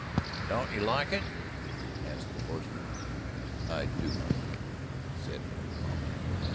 "Don't ye like it?" asked the horseman. "I do not," said Hale calmly.